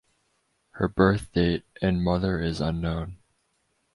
Her birth date and mother is unknown.